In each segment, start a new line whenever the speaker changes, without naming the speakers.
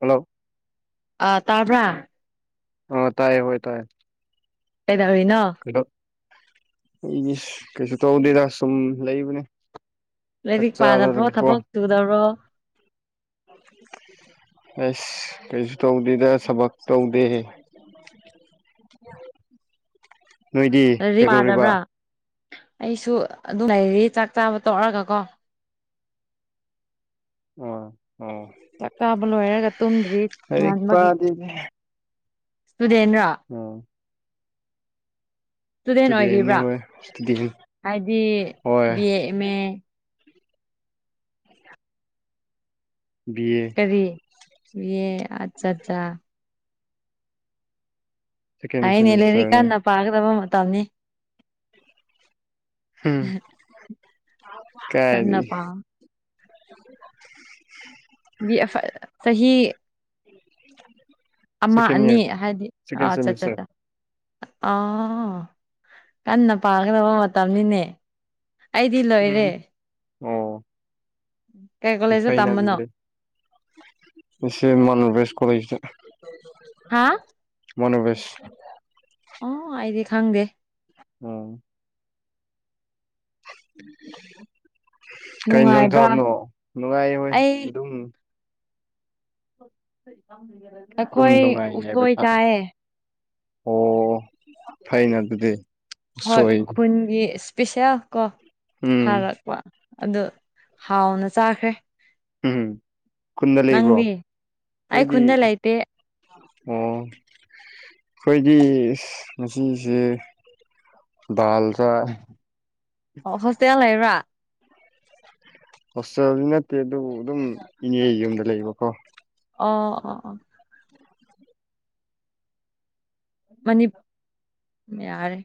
Hello
ꯑ ꯇꯥꯕ꯭ꯔꯥ
ꯑ ꯇꯥꯏꯌꯦ ꯍꯣꯏ ꯇꯥꯏꯌꯦ
ꯀꯩꯗꯧꯔꯤꯅꯣ
ꯀꯩꯅꯣ ꯑꯩꯒꯤ ꯀꯩꯁꯨ ꯇꯧꯗꯦꯗ ꯁꯨꯝ ꯂꯩꯕꯅꯦ ꯆꯥꯛ
ꯂꯥꯏꯔꯤꯛ ꯄꯥꯗꯕ꯭ꯔꯣ
ꯆꯥꯔꯒꯀꯣ
ꯊꯕꯛ ꯇꯨꯗꯕ꯭ꯔꯣ [unintelligible]
ꯑꯁ ꯀꯩꯁꯨ ꯇꯧꯗꯦꯗ ꯊꯕꯛ ꯇꯧꯗꯦ ꯅꯣꯏꯗꯤ
ꯂꯥꯏꯔꯤꯛ
ꯀꯩꯗꯧꯔꯤꯕ
ꯄꯥꯗꯕ꯭ꯔꯥ ꯑꯩꯁꯨ ꯑꯗꯨꯝ ꯂꯩꯔꯤ ꯆꯥꯛ ꯆꯥꯕ ꯇ‌ꯣꯛꯔꯒꯀꯣ
[unintelligible]
ꯆꯥꯛ ꯆꯥꯕ ꯂꯣꯏꯔꯒ ꯇꯨꯝꯗ꯭ꯔꯤ
ꯂꯥꯏꯔꯤꯛ
ꯉꯟꯕꯒꯤ
[unintelligible]
ꯏꯁꯇꯨꯗ‌ꯦꯟꯔ‌ꯥ
ꯑꯣ
ꯏꯁꯇꯨꯗꯦꯟ
ꯏꯁꯇꯨꯗꯦꯟꯅꯤ
ꯑꯣꯏꯔꯤꯕ꯭ꯔꯥ
ꯍꯣꯏ ꯏꯁꯇꯨꯗꯦꯟ
ꯍꯥꯏꯗꯤ
ꯍꯣꯏ
B A M A
[unintelligible] B A
ꯀꯔꯤ ꯕꯦꯌꯦ ꯑꯠꯆꯥ ꯆꯥ
ꯁꯦꯀꯦꯟ
ꯐꯥꯏꯌꯦꯅꯦ ꯂꯥꯏꯔꯤꯛ
ꯁꯦꯃꯤꯁꯇꯔꯅꯦ
ꯀꯟꯅ ꯄꯥꯒꯗꯕ ꯃꯇꯝꯅꯤ
ꯎꯝ
ꯀꯟꯅ
ꯀꯥꯏꯗꯩ
ꯄꯥꯎ ꯕꯦ ꯑꯦ ꯐ ꯆꯍꯤ ꯑꯃ
ꯁꯦꯀꯦꯟ ꯏꯌꯥꯔ
ꯑꯅꯤ ꯍꯥꯏꯗꯤ
ꯁꯦꯀꯦꯟ
ꯑꯣ
ꯁꯦꯃꯤꯁꯇꯔ
ꯑꯠꯆꯥꯆꯆꯥ ꯑꯣ ꯀꯟꯅ ꯄꯥꯒꯗꯕ ꯃꯇꯝꯅꯤꯅꯦ ꯑꯩꯗꯤ ꯂꯣꯏꯔꯦ
ꯎꯝ ꯑꯣ
[inaudible]
ꯐꯩꯅ
ꯇꯝꯕꯅꯣ
ꯑꯗꯨꯗꯤ ꯉꯁꯤꯃꯟ ꯋ‌ꯦꯁ ꯀꯣꯂꯦꯖꯇ
ꯍꯥꯥ
ꯃ‌ꯣꯅꯣꯕꯦꯁ
ꯑꯣ ꯑꯩꯗꯤ ꯈꯪꯗꯦ
ꯑꯣ ꯀꯩ ꯏꯟꯖꯥꯡ
ꯅꯨꯡꯉꯥꯏꯕ꯭ꯔꯥ
ꯆꯥꯕꯅꯣ ꯅꯨꯡꯉꯥꯏ ꯍꯣꯏ
ꯑꯩ
ꯑꯗꯨꯝ ꯗꯨꯝ
ꯑꯩꯈꯣꯏ
ꯅꯨꯡꯉꯥꯏꯔꯤ ꯍꯥꯏꯕ
ꯎꯁꯣꯏ
[unintelligible]
ꯆꯥꯏꯌꯦ
ꯑꯣ ꯐꯩꯅ ꯑꯗꯨꯗꯤ
ꯍꯣꯏ
ꯁꯣꯏ
ꯈꯨꯟꯒꯤ ꯏꯁꯄꯤꯁ‌ꯦꯜ ꯀꯣ
ꯎꯝ
ꯆꯥꯔꯛꯄ ꯑꯗꯨ ꯍꯥꯎꯅ ꯆꯥꯈ꯭ꯔꯦ
ꯎꯝ ꯈꯨꯟꯗ ꯂꯩꯕ꯭ꯔꯣ
ꯅꯪꯗꯤ ꯑꯩ
ꯑꯩꯈꯣꯏꯗꯤ
ꯈꯨꯟꯗ ꯂꯩꯇꯦ
ꯑꯣ ꯑꯩꯈꯣꯏꯗꯤ ꯏꯁ ꯉꯁꯤꯁꯦ ꯗꯥꯜ ꯆꯥꯏ
ꯑꯣ ꯍꯣꯁꯇꯦꯜ ꯂꯩꯕ꯭ꯔꯥ
ꯍꯣꯁꯇ‌ꯦꯜ ꯅꯠꯇꯦ ꯑꯗꯨꯕꯨ ꯑꯗꯨꯝ ꯏꯅꯦꯒꯤ ꯌꯨꯝꯗ ꯂꯩꯕꯀꯣ
ꯑꯣ ꯑꯣ ꯑꯣ ꯃꯅꯤ ꯌꯥꯔꯦ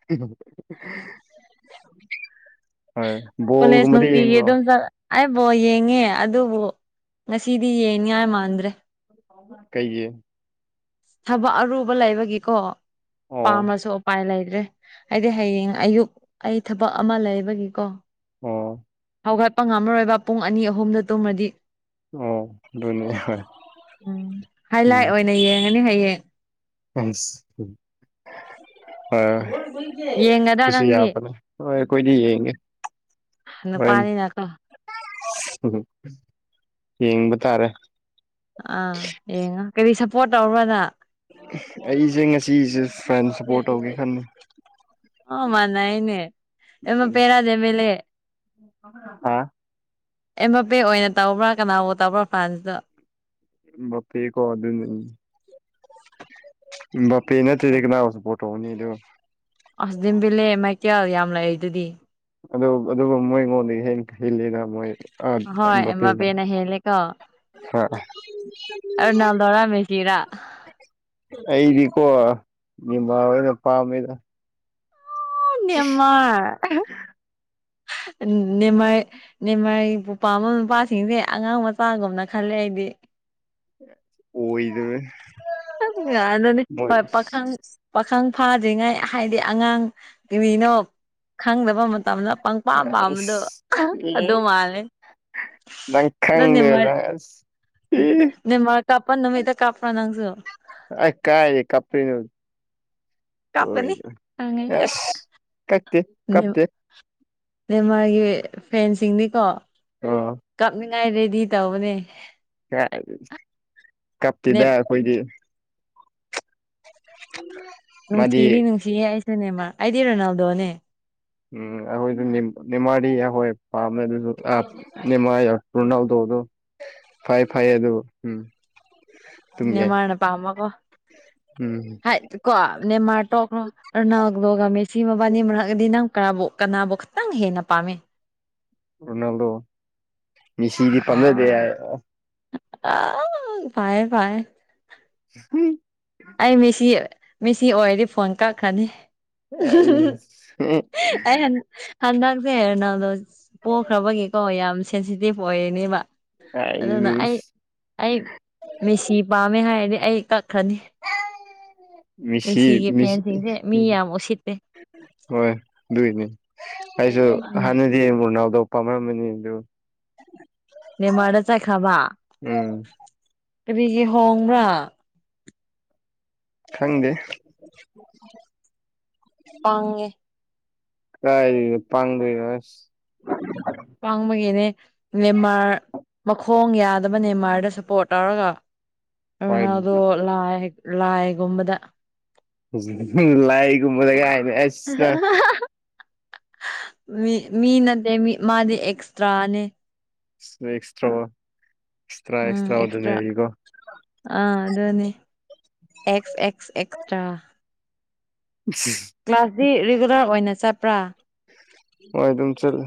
[unintelligible]
ꯀꯣꯂꯦꯖ ꯅꯨꯡꯇꯤꯒꯤ
ꯌꯦꯡꯕ꯭ꯔꯣ
ꯑꯗꯨꯝ ꯆꯠ ꯑꯩ ꯕꯣꯜ ꯌꯦꯡꯉꯦ ꯑꯗꯨꯕꯨ ꯉꯁꯤꯗꯤ ꯌꯦꯡꯅꯤꯉꯥꯏ ꯃꯥꯟꯗ꯭ꯔꯦ
ꯀꯩꯒꯤ
ꯊꯕꯛ ꯑꯔꯨꯕ ꯂꯩꯕꯒꯤꯀꯣ
ꯑꯣ
ꯄꯥꯝꯔꯁꯨ ꯎꯄꯥꯏ ꯂꯩꯇ꯭ꯔꯦ ꯑꯩꯗꯤ ꯍꯌꯦꯡ ꯑꯌꯨꯛ ꯑꯩ ꯊꯕꯛ ꯑꯃ ꯂꯩꯕꯒꯤꯀꯣ
ꯑꯣ
ꯍꯧꯒꯠꯄ ꯉꯝꯔꯔꯣꯏꯕ ꯄꯨꯡ ꯑꯅꯤ ꯑꯍꯨꯝꯗ ꯇꯨꯝꯃꯗꯤ
ꯑꯣ ꯑꯗꯨꯅꯦ ꯍꯣꯏ
ꯎꯝ
ꯎꯝ
ꯍꯥꯏꯂꯥꯏꯠ ꯑꯣꯏꯅ ꯌꯦꯡꯉꯅꯤ ꯍꯌꯦꯡ
ꯑꯁ ꯎꯝ ꯍ‌ꯣꯏ [unintelligible]
ꯌꯦꯡꯒꯗ꯭ꯔꯥ
ꯑꯗꯨꯁꯨ
ꯅꯪꯗꯤ
ꯌꯥꯕꯅꯦ ꯍꯣꯏ ꯑꯈꯣꯏꯗꯤ ꯌꯦꯡꯉꯦ ꯍꯣꯔꯦꯟ
ꯅꯨꯄꯥꯅꯤꯅꯀꯣ
[unintelligible] ꯍꯝꯍꯝ ꯌꯦꯡꯕ ꯇꯥꯔꯦ
ꯑꯥ ꯌꯦꯡꯉꯣ ꯀꯔꯤ ꯁꯞꯄꯣꯔꯠ ꯇꯧꯕ꯭ꯔꯥ ꯅꯪ
ꯑꯩꯖ‌ꯦ ꯉꯁꯤꯖ‌ꯦ ꯐ꯭ꯔꯦꯟ ꯁꯄꯣꯔꯠ ꯇꯧꯒꯦ ꯈꯟꯕ
ꯑꯣ ꯃꯥꯟꯅꯩꯅꯦ ꯑꯃ ꯄꯦꯔꯥꯗꯦꯃꯦꯂ‌ꯦ
[unintelligible] [inaudible] ꯑꯝ
ꯑꯦꯝꯕꯄꯦ ꯑꯣꯏꯅ ꯇꯧꯕ꯭ꯔꯥ ꯀꯅꯥꯕꯨ ꯇꯧꯕ꯭ꯔꯥ ꯐ꯭ꯔꯥꯟꯁꯇꯣ
ꯕꯄꯦ ꯀ‌ꯣ ꯑꯗꯨꯅ‌ꯦ ꯎꯝ ꯕꯄꯦ ꯅꯠꯇ꯭ꯔꯗꯤ ꯀꯅꯥꯕꯨ ꯁꯄꯣꯔꯠ ꯇꯧꯅꯤꯗꯨ
ꯑꯁ ꯗꯤꯝꯕꯤꯂꯦ ꯃꯥꯏꯀꯦꯜ ꯌꯥꯝ ꯂꯩꯗꯨꯗꯤ
ꯑꯗꯨ ꯑꯗꯨꯕꯨ ꯃꯣꯏꯉꯣꯟꯗꯒꯤ ꯍꯦꯟ ꯍ‌ꯦꯜꯂꯤꯅ ꯃꯣꯏ ꯑꯥ
ꯍꯣꯏ
ꯕꯄ‌ꯦꯅ
ꯑꯦꯝꯕꯄꯦꯅ ꯍꯦꯜꯂꯦꯀꯣ
ꯍꯥ
ꯔꯣꯅꯥꯜꯗꯣꯔꯥ ꯃꯦꯁꯤꯔꯥ
[unintelligible] ꯑꯩꯗꯤꯀꯣ ꯅꯦꯃꯔ ꯑꯣꯏꯅ ꯄꯝꯃꯦꯗ
ꯅ‌ꯦꯃꯥꯔ ꯑꯍꯥ ꯅꯦꯃꯔ ꯅꯦꯃꯔ ꯕꯨ ꯄꯥꯝꯕ ꯅꯨꯄꯥꯁꯤꯡꯁꯦ ꯑꯉꯥꯡ ꯃꯆꯥꯒꯨꯝꯅ ꯈꯜꯂꯦ ꯑꯩꯗꯤ
ꯑꯣꯏꯗꯔ‌ꯦ
ꯑꯥ ꯉꯥꯟ ꯅꯣꯅꯦ ꯍꯣꯏ ꯄꯈꯪ ꯄꯥꯈꯪ ꯐꯥꯗ꯭ꯔꯤꯉꯩ ꯍꯥꯏꯗꯤ ꯑꯉꯥꯡ ꯀꯔꯤꯅꯣ ꯈꯪꯗꯕ ꯃꯥ ꯇꯝꯅ ꯄꯪꯄꯥꯝ ꯄꯥꯝꯕꯗꯣ ꯑꯍꯥ
ꯑꯦ
ꯑꯗꯨ ꯃꯥꯜꯂꯦ
ꯅꯪ
ꯑꯗꯣ ꯅꯦꯃꯥꯔ
ꯈꯪꯗꯦꯗ ꯑꯁ ꯏ
ꯅꯦꯃꯥꯔ ꯀꯞꯄꯥꯟ ꯅꯨꯅꯨꯡꯃꯤꯗ ꯀꯞꯄ꯭ꯔꯥ ꯅꯪꯁꯨ
ꯑꯩ ꯀꯥꯏꯗꯩꯩ ꯀꯞꯄꯤꯅꯣ ꯍꯣꯏ
ꯀꯥꯞꯀꯅꯤ
ꯑꯁ ꯀꯛꯇꯦ
ꯅꯤꯎ ꯅꯦꯃꯥꯔꯒꯤ ꯐꯦꯟꯁꯤꯡꯅꯤꯀꯣ
ꯑ‌ꯣ
ꯀꯥꯞꯅꯤꯡꯉꯥꯏ ꯔꯦꯗꯤ ꯇꯧꯕꯅꯦ
ꯀꯥꯏꯗꯩꯩ ꯀꯞꯇ‌ꯦꯗ
ꯅꯦꯞ
ꯑꯩꯈꯣꯏꯗꯤ [unintelligible]
ꯅꯨꯡꯁꯤꯔꯤ ꯅꯨꯡꯁꯤꯌꯦ ꯑꯩꯁꯨ ꯅꯦꯃꯥꯔ ꯑꯩꯗꯤ ꯔꯣꯅꯥꯜꯗꯣꯅꯦ
ꯎꯝ ꯑꯈꯣꯏꯗꯤ ꯅꯤꯝ - ꯅꯦꯃꯥꯔꯗꯤ ꯑꯈꯣꯏ ꯄꯥꯝꯃꯦ ꯑꯗꯨꯁꯨ ꯑꯥ ꯅꯦꯃꯥꯔ ꯌꯔ ꯔꯣꯅꯥꯜꯗꯣ ꯗꯣ ꯐꯩ ꯐꯩꯌꯦ ꯑꯗꯣ ꯎꯝ ꯑꯗꯨꯝ ꯌꯥꯏ
ꯅꯤꯃꯥꯔꯅ ꯄꯝꯕ ꯀꯣ
ꯎꯝ
ꯍꯥꯏ ꯀꯣ ꯅꯦꯃꯥꯔ ꯇꯣꯛꯈ꯭ꯔꯣ ꯔꯣꯅꯥꯜꯗꯣꯒ ꯃꯦꯁꯤ ꯃꯕꯥꯟꯅꯤ ꯃꯔꯛꯑꯥꯗꯤ ꯅꯪ ꯀꯔꯥꯕꯨ ꯀꯅꯥꯕꯨ ꯈꯇꯪ ꯍꯦꯟꯅ ꯄꯥꯝꯃꯤ
ꯔꯣꯅꯥꯜꯗꯣ ꯃꯤꯁꯤꯗꯤ ꯄꯥꯝꯖꯗꯦ
ꯑꯣ ꯑꯥꯎ ꯐꯥꯌꯦ ꯐꯥꯌꯦ
[unintelligible]
ꯑꯩ ꯃꯦꯁꯤ ꯃꯦꯁꯤ ꯑꯣꯏꯔꯗꯤ ꯐꯣꯟ ꯀꯛꯈ꯭ꯔꯅꯤ [unintelligible] ꯑꯩꯍꯟ ꯍꯟꯗꯛꯁꯦ ꯔꯣꯅꯥꯜꯗꯣ ꯄꯣꯛꯈ꯭ꯔꯕꯒꯤꯀꯣ ꯌꯥꯝ ꯁꯦꯟꯁꯤꯇꯤꯚ ꯑꯣꯏꯔꯤꯅꯦꯕ ꯑꯗꯨꯅ ꯑꯩ ꯑꯩ ꯃꯦꯁꯤ ꯄꯥꯝꯃꯦ ꯍꯥꯏꯔꯗꯤ ꯑꯩ ꯀꯛꯈꯅꯤ
ꯃꯤꯁꯤ ꯃꯤꯁꯤ
ꯐꯦꯟꯁꯤꯡꯁꯦ ꯃꯤ ꯌꯥꯝ ꯎꯁꯤꯠꯇꯦ
[inaudible] ꯍꯣꯏ ꯑꯗꯨꯏꯅꯤ ꯑꯩꯁꯨ
ꯎꯝ
ꯍꯥꯟꯅ ꯑꯦꯝ ꯔꯣꯅꯥꯜꯗꯣ ꯄꯥꯝꯔꯝꯕꯅꯤ ꯑꯗꯨ
ꯅꯦꯃꯥꯔꯗ ꯆꯠꯈ꯭ꯔꯕ
ꯎꯝ
ꯀꯔꯤꯒꯤ ꯍꯣꯡꯕ꯭ꯔꯥ
ꯈꯪꯗꯦ
ꯄꯪꯉꯦ
ꯀꯥꯏꯗꯒꯤ ꯄꯪꯗꯣꯏꯅꯣ ꯑꯁ [unintelligible]
ꯄꯪꯕꯒꯤꯅꯦ ꯅꯦꯃꯥꯔ ꯃꯈꯣꯡ ꯌꯥꯗꯕ ꯅꯦꯃꯥꯔꯗ ꯁꯄꯣꯔꯠ ꯇꯧꯔꯒ
ꯍꯣꯏ
ꯔꯣꯅꯥꯜꯗꯣ ꯂꯥꯏ ꯂꯥꯏꯒꯨꯝꯕꯗ
ꯎꯝ ꯂꯥꯏꯒꯨꯝꯕꯗ ꯀꯥꯏꯅ ꯑꯁ
ꯃꯤ ꯃꯤ ꯅꯠꯇꯦ ꯃꯤ ꯃꯥꯗꯤ ꯑꯦꯛꯁꯇ꯭ꯔꯥꯅꯦ
ꯁ꯭ꯅꯦꯛꯁ ꯊ꯭ꯔꯕꯣ [unintelligible]
ꯎꯝ ꯑꯦꯛꯁꯇ꯭ꯔꯥ ꯑꯥ ꯑꯗꯨꯅꯤ ꯑꯦꯛꯁ ꯑꯦꯛꯁ ꯑꯦꯛꯁꯇ꯭ꯔꯥ
ꯎ [unintelligible]
ꯀ꯭ꯂꯥꯁꯇꯤ ꯔꯤꯒꯨꯂꯔ ꯑꯣꯏꯅ ꯆꯠꯄ꯭ꯔꯥ
ꯍꯣꯏ ꯑꯗꯨꯝ ꯆꯠꯂꯦ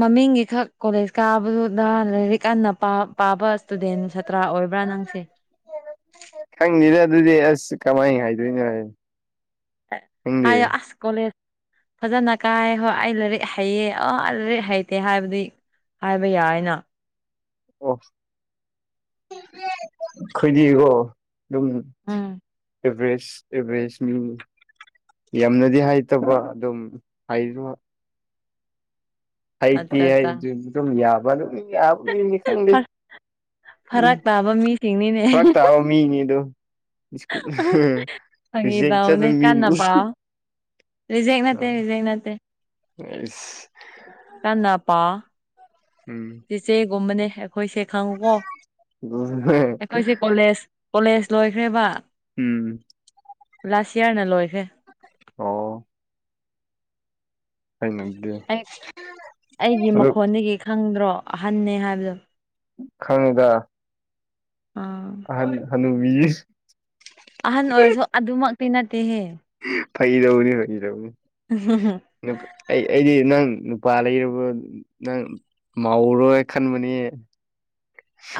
ꯃꯃꯤꯡꯒꯤ ꯈꯛ ꯀꯣꯂꯦꯖ ꯀꯥꯕꯗꯨꯗ ꯂꯥꯏꯔꯤꯛ ꯑꯟꯅ ꯄꯥꯕ ꯏꯁꯇꯨꯗꯦꯟ ꯇ꯭ꯔꯥ ꯑꯣꯏꯕ꯭ꯔꯥ ꯅꯪꯁꯦ
ꯈꯪꯉꯗ ꯑꯗꯨꯗꯤ ꯑꯁ ꯀꯃꯥꯏꯅ ꯍꯥꯏꯗꯣꯏꯅꯣ ꯍꯥꯏ
ꯍꯥꯏꯑꯣ ꯑꯁ ꯀꯣꯂꯦꯖ ꯐꯖꯅ ꯀꯥꯏ ꯍꯣꯏ ꯑꯩ ꯂꯥꯏꯔꯤꯛ ꯍꯩꯑ ꯑ ꯂꯥꯏꯔꯤꯛ ꯍꯩꯇꯦ ꯍꯥꯏꯕꯗꯤ ꯍꯥꯏꯕ ꯌꯥꯏꯅ
ꯑꯣ ꯈꯣꯏꯗꯤꯀꯣ ꯑꯗꯨꯝ
ꯎꯝ
ꯑꯦꯚꯔꯦꯁ ꯑꯦꯚꯔꯦꯖ ꯃꯤ ꯌꯥꯝꯅꯗꯤ ꯍꯏꯇꯥꯕ ꯑꯗꯨꯝ ꯍꯏꯕ ꯍꯩꯇꯦ
ꯑꯠꯆꯥ ꯑꯠꯆꯥ
ꯑꯩꯁꯨ ꯑꯗꯨꯝ ꯌꯥꯕ ꯑꯗꯨ [unintelligible]
ꯐꯔꯛ ꯇꯥꯕ ꯃꯤꯁꯤꯡꯅꯤꯅꯦ
ꯐꯔꯛ ꯇꯥꯕ ꯃꯤꯅꯤꯗꯣ ꯁꯀꯨ ꯍꯍ
ꯐꯥꯒꯤ
ꯔꯤꯖꯦꯛ ꯆꯠꯄ
ꯇꯧꯕꯅꯦ
ꯃꯤ
ꯀꯟꯅ ꯄꯥꯎ ꯔꯤꯖꯦꯛ ꯅꯠꯇꯦ ꯔꯤꯖꯦꯛ ꯅꯠꯇꯦ
ꯑꯁ
ꯀꯥꯟ ꯄ
ꯎꯝ
ꯏꯆꯦꯒꯨꯝꯕꯅꯦ ꯑꯩꯈꯣꯏꯁꯦ ꯈꯪꯉꯨꯀꯣ ꯑꯩꯈꯣꯏꯁꯦ ꯀꯣꯂꯦꯖ ꯀꯣꯂꯦꯖ ꯂꯣꯏꯈ꯭ꯔꯦꯕ
ꯎꯝ
ꯂꯥꯁ ꯏꯌꯥꯔꯅ ꯂꯣꯏꯈꯦ
ꯑꯣ ꯅꯪ ꯅꯪꯒꯤ
ꯑꯩ ꯑꯩꯒꯤ ꯃꯈꯣꯟꯗꯒꯤ ꯈꯪꯗ꯭ꯔꯣ ꯑꯍꯟꯅꯦ ꯍꯥꯏꯕꯗꯣ
ꯈꯪꯡꯉꯤꯗ
ꯑꯥ
ꯑꯍꯟꯅꯦ ꯍꯅꯨꯕꯤꯒꯤ
ꯑꯍꯥꯟ ꯑꯣꯏꯔꯁꯨ ꯑꯗꯨꯃꯛꯇꯤ ꯅꯠꯇꯦꯍꯦ
ꯐꯥꯒꯤ ꯇꯧꯕꯅꯤꯗꯥ [unintelligible] ꯑꯩ ꯑꯩꯗꯤ ꯅꯪ ꯅꯨꯄꯥ ꯂꯩꯔꯕ ꯅꯪ ꯃꯥꯎꯔꯣꯏ ꯈꯟꯕꯅꯤ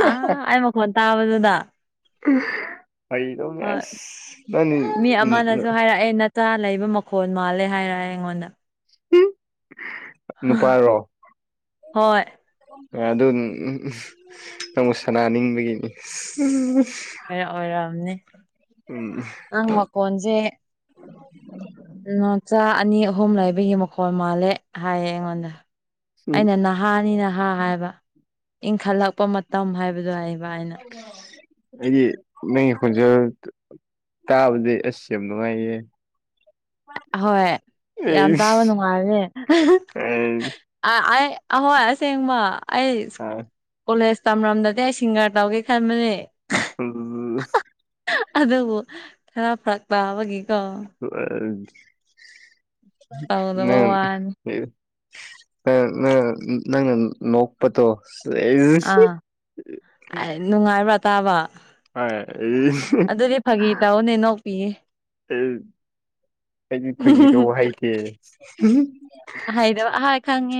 ꯑꯥ ꯑꯩ ꯃꯈꯣꯟ ꯇꯥꯕꯗꯨꯗ
ꯐꯩꯗꯧꯅꯦ
ꯍꯣꯏ
ꯑꯁ ꯅꯪꯅꯤ ꯎ
ꯆꯥ ꯂꯩꯕ ꯃꯈꯣꯜ ꯃꯥꯜꯂꯦ ꯍꯥꯌꯦ ꯍꯥꯏꯔꯛꯑꯦ ꯑꯩꯉꯣꯟꯗ
ꯍꯝ ꯅꯨꯄꯥꯔꯣ
ꯍꯣꯏ
ꯍꯣꯏ꫰ꯑꯗꯨ ꯅꯪꯕꯨ ꯁꯅꯥꯅꯤꯡꯕꯒꯤꯅꯤ
ꯀꯔ ꯑꯣꯏꯔꯝꯅꯤ
ꯎꯝ
ꯅꯪ ꯃꯈꯣꯟꯖꯦ ꯅꯣꯆꯥ ꯑꯅꯤ ꯑꯍꯨꯝ ꯂꯩꯕꯒꯤ ꯃꯈꯣꯜ ꯃꯥꯜꯂꯦ ꯍꯥꯏꯌꯦ ꯑꯩꯉꯣꯟꯗ ꯑꯩꯅ ꯅ ꯍꯥꯅꯤꯅ ꯍꯥ ꯍꯥꯏꯕ ꯏꯪꯈꯠꯂꯛꯄ ꯃꯇꯝ ꯍꯥꯏꯕꯗꯣ ꯏꯕꯅꯤꯅꯥ
ꯑꯩꯗꯤ ꯅꯪꯒꯤ ꯈꯣꯟꯖꯦꯜ ꯇꯥꯕꯗꯤ ꯑꯁ ꯌꯥꯝ ꯅꯨꯡꯉꯥꯏꯌꯦ
ꯑ ꯍꯣꯏ ꯌꯥꯝ ꯇꯥꯕ ꯅꯨꯡꯉꯥꯏꯕꯅꯦ ꯑ ꯑꯦ ꯑꯍꯣꯏ ꯑꯁꯦꯡꯕ ꯑꯩꯁ ꯀꯣꯂꯦꯖ ꯇꯝꯔꯝꯗꯗꯤ ꯑꯩ ꯁꯤꯡꯒꯔ ꯇꯧꯒꯦ ꯈꯟꯕꯅꯦ
ꯎꯝ
ꯑꯗꯨꯕꯨ ꯈꯔ ꯐꯔꯛꯇꯕꯒꯤꯀꯣ ꯇꯧꯗꯕ
ꯅꯪ
ꯋꯥꯅꯤ
ꯅꯪ ꯅꯪ ꯅꯪꯅ ꯅꯣꯛ ꯄꯣꯠꯇꯣ ꯁꯦꯏꯁ
ꯑꯥ ꯅꯨꯡꯉꯥꯏꯕ꯭ꯔꯥ ꯇꯥꯕ ꯑꯗꯨꯗꯤ ꯐꯥꯒꯤ ꯇꯧꯕꯅꯦ ꯅꯣꯛꯇꯤꯌꯦ
ꯑꯩꯗꯤ ꯐꯣꯏꯒꯤꯗꯣ ꯍꯩꯇꯦ
ꯑꯍꯥꯏ ꯈꯪꯉꯦ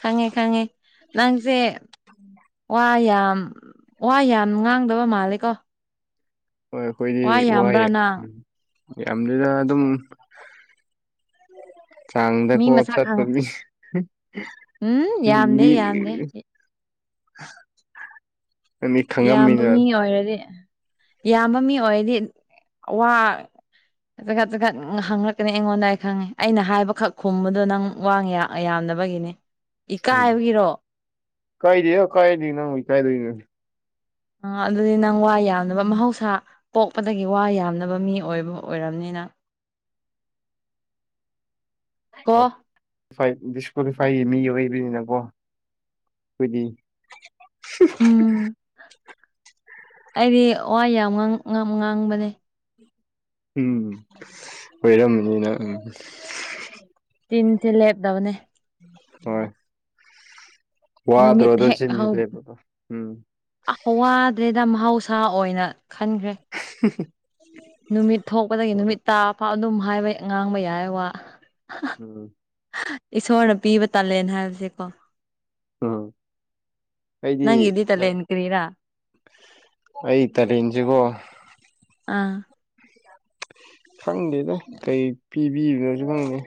ꯈꯪꯉꯦ ꯈꯪꯉꯦ ꯅꯪꯁꯦ ꯋꯥ ꯌꯥꯝ ꯋꯥ ꯌꯥꯝ ꯉꯥꯡꯗꯕ ꯃꯥꯜꯂꯦ ꯀꯣ
ꯍꯣꯏ ꯑꯩꯈꯣꯏꯗꯤ
ꯌꯥꯝꯕ꯭ꯔꯥ
ꯋꯥꯏꯑꯦ
ꯅꯪ
ꯎꯝ ꯌꯥꯝꯗꯦꯗ ꯑꯗꯨꯝ ꯆꯥꯡꯗ
ꯃꯤ
ꯀꯣꯞ
ꯃꯁꯛ
ꯆꯠꯄ
ꯈꯪ
ꯃꯤ ꯎꯝ
ꯌꯥꯝꯗꯦ
ꯃꯤ
ꯌꯥꯝꯗꯦ
ꯃꯤ
ꯏꯌꯥꯝꯕ
ꯈꯪꯉꯝꯃꯤꯅ
ꯃꯤ ꯑꯣꯏꯔꯗꯤ ꯏꯌꯥꯝꯕ ꯃꯤ ꯑꯣꯏꯔꯗꯤ ꯋꯥ ꯑꯗꯨꯀꯠ ꯇꯠ ꯍꯪꯂꯛꯀꯅꯤ ꯑꯩꯉꯣꯟꯗ ꯑꯩ ꯈꯪꯉꯦ ꯑꯩꯅ ꯍꯥꯏꯕꯈꯛ ꯈꯨꯝꯕꯗꯣ ꯅꯪ ꯋꯥꯡꯉꯦꯔ ꯌꯥꯝꯗꯕꯒꯤꯅꯦ
ꯎꯝ
ꯏꯀꯥꯏꯕꯒꯤꯔꯣ
ꯀꯥꯏꯗꯦꯍꯩ ꯀꯥꯏꯗ ꯅꯪꯕꯨ ꯏꯀꯥꯏꯗꯣꯏꯔꯅꯦ
ꯑ ꯑꯗꯨꯗꯤ ꯅꯪ ꯋꯥ ꯌꯥꯝꯅꯕ ꯃꯍꯧꯁꯥ ꯄꯣꯛꯄꯗꯒꯤ ꯋꯥ ꯌꯥꯝꯗꯕ ꯃꯤ ꯑꯣꯏꯕ ꯑꯣꯏꯔꯝꯅꯤ ꯅꯪ ꯀꯣ
ꯗꯤꯁꯀ꯭ꯋꯥꯂꯤꯐꯥꯏꯒꯤ ꯃꯤ ꯑꯣꯏꯕꯅꯤꯅꯀꯣ ꯍꯥꯏꯕꯗꯤ
ꯎꯝ ꯑꯩꯗꯤ ꯋꯥ ꯌꯥꯝ ꯉꯥꯡꯕꯅꯦ
ꯎꯝ ꯀꯣꯏꯔꯝꯅꯤ ꯅꯪ ꯎꯝ
ꯇꯤꯟꯊꯤ ꯂꯦꯞꯅꯕꯅꯦ
ꯍꯣꯏ ꯋꯥ ꯑꯗꯨ꯭ꯔꯣ
ꯅꯨꯃꯤꯠ
ꯑꯗꯨꯗꯣ
ꯍꯦꯛ ꯍꯧ
ꯆꯤꯟꯖꯗ꯭ꯔꯦꯣ ꯎꯝ
ꯋꯥꯗ꯭ꯔꯦꯗ ꯃꯍꯧꯁꯥ ꯑꯣꯏꯅ ꯈꯟꯈ꯭ꯔꯦ
[unintelligible]
ꯅꯨꯃꯤꯠ ꯊꯣꯛꯄꯗꯒꯤ ꯅꯨꯃꯤꯠ ꯇꯥ ꯐꯥꯎ ꯑꯗꯨꯝ ꯍꯥꯏꯕ ꯉꯥꯡꯕ ꯌꯥꯏꯌꯦ ꯋꯥ
ꯎꯝ
ꯏꯁꯣꯔꯅ ꯄꯤꯕ ꯇꯥꯂꯦꯟ ꯍꯥꯏꯕꯁꯦꯀꯣ
ꯎꯝ ꯑꯩꯗꯤ
ꯅꯪꯒꯤꯗꯤ ꯇꯥꯜꯂꯦ ꯌꯦꯟ ꯀ꯭ꯔꯔꯤꯔꯥ
ꯑꯩ ꯇꯔꯦꯡ ꯖꯤꯉꯣ
ꯑꯥ
ꯈꯪꯗꯦꯗ ꯀꯩ ꯄꯤꯕꯤꯕꯅꯣꯁꯨ ꯈꯪꯗꯦ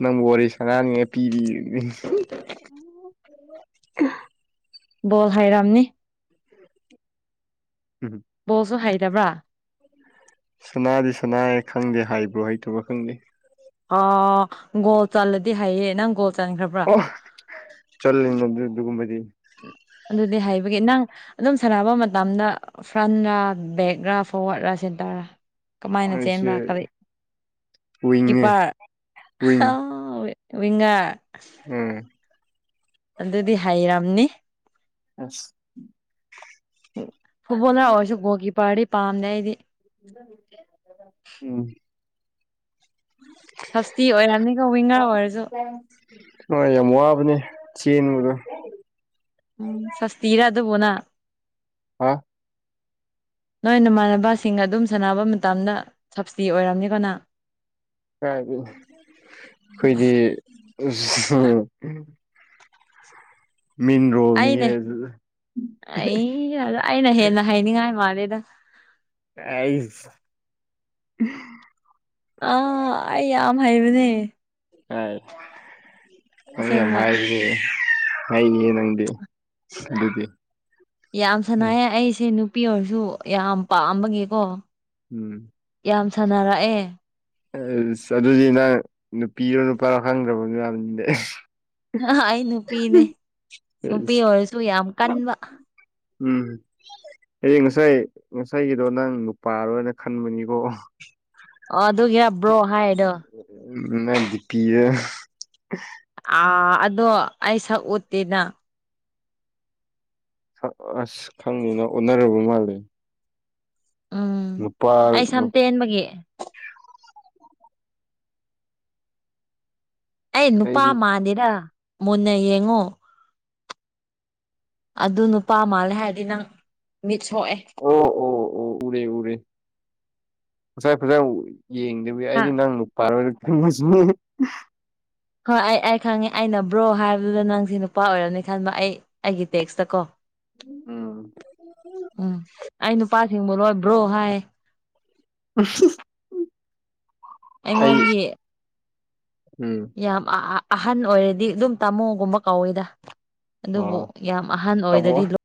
ꯅꯪꯕꯨ ꯋꯥꯔꯤ ꯁꯅꯅꯤꯡꯉ ꯄꯤꯕꯤ
[unintelligible] ꯣꯜ ꯍꯥꯏꯔꯝꯅꯤ
ꯎꯝ
ꯕꯣꯠꯁꯨ ꯍꯩꯇꯕ꯭ꯔꯥ
ꯁꯅꯥꯗꯤ ꯁꯅꯩ ꯈꯪꯗꯦ ꯍꯥꯏꯕ꯭ꯔꯣ ꯍꯩꯇꯕ꯭ꯔꯣ ꯈꯪꯗꯦ
ꯑ ꯒꯣꯜ ꯆꯜꯂꯗꯤ ꯍꯩꯌꯦ ꯅꯪ ꯒꯣꯜ ꯆꯟꯈ꯭ꯔꯕ
ꯆꯜꯂꯤꯅꯤ ꯑꯗꯨ ꯑꯒꯨꯝꯕꯗꯤ
ꯑꯗꯨꯗꯤ ꯍꯩꯕꯒꯤ ꯅꯪ ꯑꯗꯨꯝ ꯁꯥꯟꯅꯕ ꯃꯇꯝꯗ ꯐ꯭ꯔꯟꯔꯥ ꯕꯦꯛꯔꯥ ꯐꯣꯔꯋꯥꯔꯗꯔ ꯁꯦꯟꯇꯔꯔꯥꯥ ꯀꯃꯥꯏꯅ
ꯑꯩꯁꯦ
ꯆꯦꯟꯕ꯭ꯔꯥ ꯀꯔꯤ
ꯋꯤꯡꯅꯦ
ꯀꯤꯄꯔ
ꯋꯤꯡ
[unintelligible] ꯋꯤꯡꯉꯥꯔ
ꯎꯝ
ꯑꯗꯨꯗꯤ ꯍꯩꯔꯝꯅꯤ
ꯑꯁ [inaudible]
ꯒꯤꯄꯥꯔꯤꯞ ꯄꯥꯝꯗꯦ ꯑꯩꯗꯤ
ꯎꯝ
ꯐꯁꯇꯤ ꯑꯣꯏꯔꯝꯅꯤꯀꯣ ꯋꯤꯟꯅꯔ ꯑꯣꯏꯔꯁꯨ
ꯑꯣ [unintelligible] ꯍꯣꯏ ꯌꯥꯝ ꯋꯥꯕꯅꯦ ꯆꯦꯟꯕꯗꯣ
ꯎꯝ ꯁꯁꯇꯤꯔ ꯑꯗꯨꯕꯨ ꯅꯪ
ꯍꯥ
[inaudible] ꯅꯣꯏ ꯅꯃꯥꯟꯅꯕꯁꯤꯡꯒ ꯑꯗꯨꯝ ꯁꯥꯟꯅꯕ ꯃꯇꯝꯗ ꯁꯞꯁꯇꯤ ꯑꯣꯏꯔꯝꯅꯤꯕ ꯅꯪ
ꯀꯥꯏꯗꯩꯩ ꯑꯩꯈꯣꯏꯗꯤ [unintelligible] ꯃꯤꯟ ꯔꯣꯜ
ꯏ ꯑꯩꯅ ꯍꯦꯟꯅ ꯍꯥꯏꯅꯤꯡꯉꯥꯏ ꯃꯥꯜꯂꯦꯗ
ꯑꯩꯁ
ꯑꯥ ꯑꯩ ꯌꯥꯝ ꯍꯩꯕꯅꯦ꯫
ꯑ [unintelligible] ꯌꯥꯝ
ꯑꯁꯦꯡꯕ
ꯍꯥꯏ ꯍꯩꯅꯤ ꯅꯪꯗꯤ ꯑꯗꯨꯗꯤ
ꯌꯥꯝ
ꯎꯝ
ꯁꯅꯌꯦ ꯑꯩꯁꯦ ꯅꯨꯄꯤ ꯑꯣꯏꯔꯁꯨ ꯌꯥꯝ ꯄꯥꯝꯕꯒꯤꯀꯣ
ꯎꯝ
ꯌꯥꯝ ꯁꯥꯟꯅꯔꯛꯑꯦ
ꯑꯁ ꯑꯗꯨꯗꯤ ꯅꯪ ꯅꯨꯄꯤꯔꯣ ꯅꯨꯄꯥꯔꯣ ꯈꯪꯗ꯭ꯔꯕꯒꯤ ꯋꯥꯅꯤꯅꯦ
ꯑꯩ ꯅꯨꯄꯤꯅꯦ ꯅꯨꯄꯤ ꯑꯣꯏꯔꯁꯨ ꯌꯥꯝ ꯀꯟꯕ
ꯎꯝ ꯑꯩ ꯉꯁꯥꯏ ꯉꯁꯥꯏꯒꯤꯗꯣ ꯅꯪ ꯅꯨꯄꯥꯔꯣꯅ ꯈꯟꯕꯅꯤꯀꯣ
ꯑꯣ ꯑꯗꯨꯒꯤꯔ ꯕ꯭ꯔꯣ ꯍꯥꯏꯗꯣ
ꯎꯝ ꯅꯪꯒꯤ ꯗꯤꯄꯤꯗ
ꯑꯥ ꯑꯗꯣ ꯑꯩ ꯁꯛ ꯎꯠꯇꯦꯗ
ꯑꯁ ꯈꯪꯗꯤꯅ ꯑꯣꯅꯔꯕ ꯃꯥꯜꯂꯦ
ꯎꯝ
ꯅꯨꯄꯥ
ꯑꯩ ꯁꯝ ꯇꯦꯟꯕꯒꯤ ꯑꯩ ꯅꯨꯄꯥ
ꯑꯩꯗꯤ
ꯃꯥꯥꯟꯗꯦꯗ ꯃꯨꯟꯅ ꯌꯦꯡꯉꯨ ꯑꯗꯨ ꯅꯨꯄꯥ ꯃꯥꯜꯂꯦ ꯍꯥꯏꯔꯗꯤ ꯅꯪ ꯃꯤꯠ ꯁꯣꯛꯑꯦ
ꯑꯣ ꯑꯣ ꯑꯣ ꯎꯔꯦ ꯎꯔꯦ ꯉꯁꯥꯏ ꯐꯥꯖꯅ ꯎ ꯌꯦꯡꯗꯕꯤ ꯑꯩꯗꯤ ꯅꯪ ꯅꯨꯄꯥꯔꯣꯅ ꯆꯤꯡꯕꯨ ꯆꯤꯡꯅꯩ
ꯍꯣꯏ ꯑꯩ ꯑꯩ ꯈꯪꯉꯦ ꯑꯩꯅ ꯕ꯭ꯔꯣ ꯍꯥꯏꯕꯗꯨꯗ ꯅꯪꯁ ꯅꯨꯄꯥ ꯑꯣꯏꯔꯝꯅꯤ ꯈꯟꯕ ꯑꯩ ꯑꯩꯒꯤ ꯇꯦꯛꯁꯇ ꯀꯣ
ꯎꯝ
ꯎꯝ ꯑꯩ ꯅꯨꯄꯥꯁꯤꯡꯕꯨ ꯂꯣꯏ ꯕ꯭ꯔꯣ ꯍꯥꯏ
[unintelligible] ꯑꯩ
ꯑꯩꯉꯣꯟꯒꯤ
ꯎꯝ
ꯌꯥꯝ ꯑꯍꯟ ꯑꯣꯏꯔꯗꯤ ꯑꯗꯨꯝ ꯇꯥꯃꯣꯒꯨꯝꯕ ꯀꯧꯏꯗ ꯑꯗꯨꯕꯨ
ꯑꯣ
ꯌꯥꯝ ꯑꯍꯟ
ꯇꯥꯃꯣ
ꯑꯣꯏꯗ꯭ꯔꯗꯤ